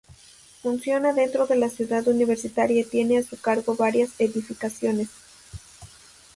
Funciona dentro de la Ciudad Universitaria y tiene a su cargo varias edificaciones.